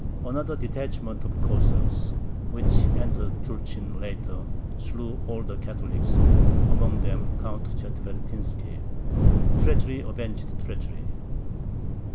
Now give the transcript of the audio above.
Another detachment of Cossacks, which entered Tulchyn later, slew all the Catholics, among them Count Chetvertinski. Treachery avenged treachery.